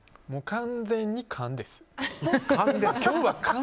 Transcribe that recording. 完全に勘です。